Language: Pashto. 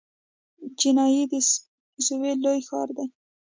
چنای د سویل لوی ښار دی.